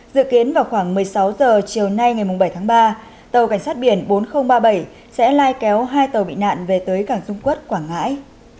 dự kiến vào khoảng một mươi sáu h chiều nay ngày bảy tháng ba tàu cảnh sát biển bốn nghìn ba mươi bảy sẽ lai kéo hai tàu bị nạn về tới cảng dung quốc quảng ngãi